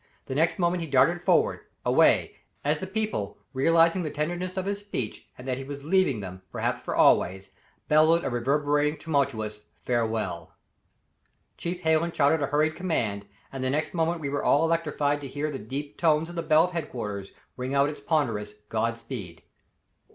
The next moment he darted forward away as the people, realizing the tenderness of his speech and that he was leaving them, perhaps for always, bellowed a reverberating, tumultuous farewell. Chief Hallen shouted a hurried command, and the next moment we were all electrified to hear the deep tones of the bell of headquarters ringing out its ponderous "God speed."